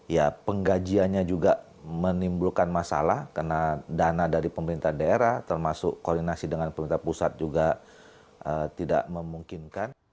ya penggajiannya juga menimbulkan masalah karena dana dari pemerintah daerah termasuk koordinasi dengan pemerintah pusat juga tidak memungkinkan